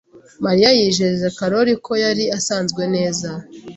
Mariya yijeje Karoli ko yari asanzwe neza.